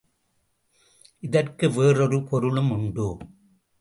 இதற்கு வேறொரு பொருளும் உண்டு.